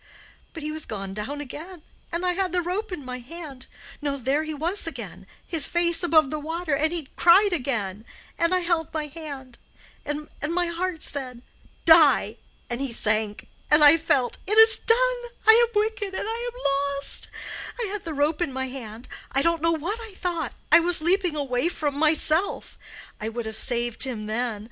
But he was gone down again, and I had the rope in my hand—no, there he was again—his face above the water—and he cried again—and I held my hand, and my heart said, 'Die!'—and he sank; and I felt 'It is done—I am wicked, I am lost!—and I had the rope in my hand—I don't know what I thought—I was leaping away from myself—I would have saved him then.